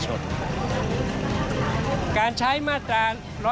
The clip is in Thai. ส่วนต่างกระโบนการ